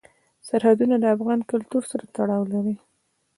سرحدونه د افغان کلتور سره تړاو لري.